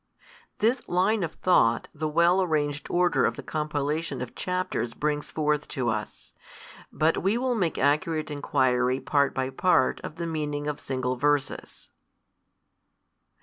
This line of thought the well arranged order of the compilation of chapters brings forth to us. But we will make accurate inquiry part by part of the meaning of single verses.